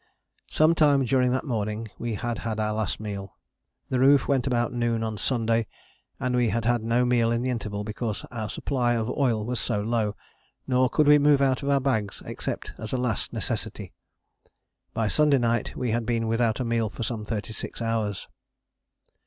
Some time during that morning we had had our last meal. The roof went about noon on Sunday and we had had no meal in the interval because our supply of oil was so low; nor could we move out of our bags except as a last necessity. By Sunday night we had been without a meal for some thirty six hours.